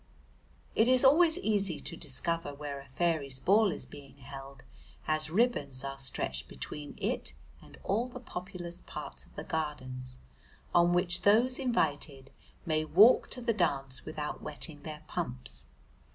It is always easy to discover where a fairies' ball is being held, as ribbons are stretched between it and all the populous parts of the Gardens, on which those invited may walk to the dance without wetting their pumps.